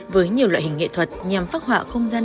với nhiều loại hình nghệ thuật nhằm phát hỏa không gian